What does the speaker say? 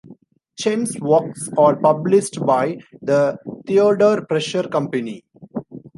Chen's works are published by the Theodore Presser Company.